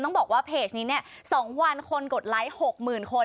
ต้องบอกว่าเพจนี้เนี่ย๒วันคนกดไลค์๖๐๐๐คน